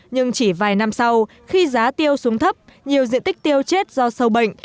nhưng chỉ vài năm sau khi giá tiêu xuống thấp nhiều diện tích tiêu chết do sâu bệnh